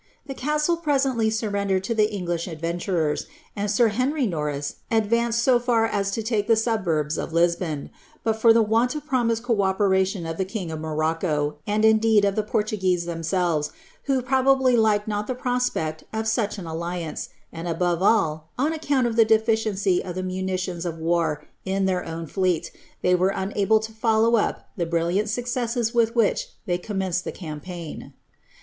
The castle presently sur sodered to the English adventurers, and sir Henry Norris advanced so ir as to take the suburbs of Lisbon, but for want of the promised t> operation of the king of Morocco, and indeed of the Portuguese lemselves, who probably liked not the prospect of such an alliauce, nd, above all, on account of the deficiency of the munitions of war in leir own fleet, they were unable to follow up the brilliant successes rith which they commenced the campaign.